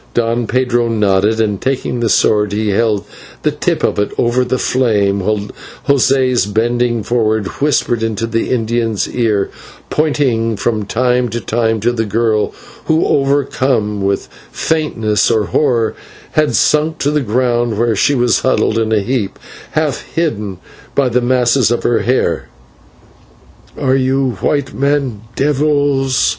Don Pedro nodded, and, taking the sword, he held the tip of it over the flame, while José bending forward whispered into the Indian's ear, pointing from time to time to the girl, who, overcome with faintness or horror, had sunk to the ground, where she was huddled in a heap half hidden by the masses of her hair. "Are you white men then devils?"